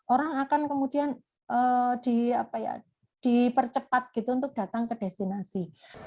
orang akan kemudian dipercepat gitu untuk datang ke destinasi